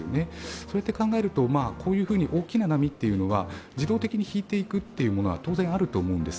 そうやって考えると大きな波というのは自動的に引いていくのは当然、あると思うんです。